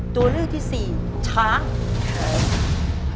ตัวเลือกที่สี่ช้าง